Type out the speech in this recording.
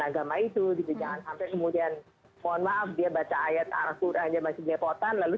agama itu diberikan sampai kemudian mohon maaf dia baca ayat al qur'an masih menepotkan lalu